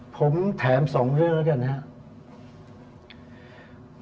ผมแถม๒เรื่องแล้วกันนะครับ